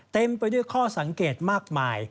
เต็มไปด้วยข้อสังเกตมากมาย